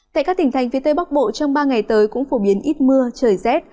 tại các tỉnh thành phía tây bắc bộ trong ba ngày tới cũng phổ biến ít mưa trời rét